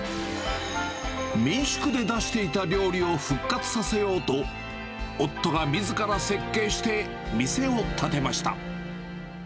民宿で出していた料理を復活させようと、夫がみずから設計して店を建てました。